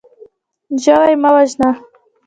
ژوی مه وژنه.